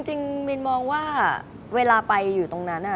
มินมองว่าเวลาไปอยู่ตรงนั้น